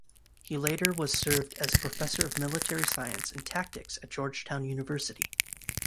He later was served as professor of military science and tactics at Georgetown University.